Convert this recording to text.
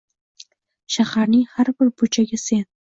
Shaharning har bir burchagi sen